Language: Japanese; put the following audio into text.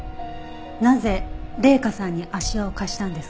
なぜ麗華さんに足環を貸したんですか？